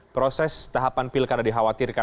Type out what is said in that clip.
proses tahapan pilkada dikhawatirkan